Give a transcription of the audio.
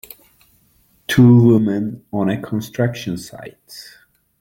Two women on a construction site.